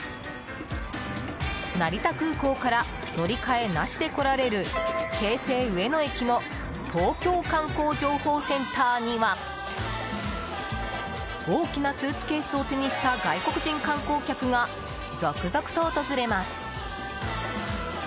成田空港から乗り換えなしで来られる京成上野駅の東京観光情報センターには大きなスーツケースを手にした外国人観光客が続々と訪れます。